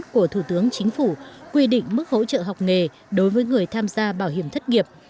của thủ tướng chính phủ quy định mức hỗ trợ học nghề đối với người tham gia bảo hiểm thất nghiệp